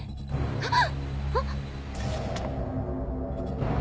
あっ。